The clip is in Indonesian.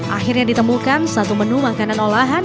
akhirnya ditemukan satu menu makanan olahan